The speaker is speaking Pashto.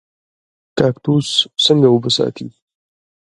کاکتوس څنګه اوبه ساتي؟